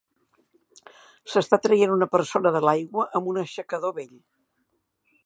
S"està traient una persona de l"aigua amb un aixecador vell.